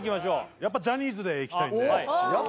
やっぱジャニーズでいきたいんで・おっ！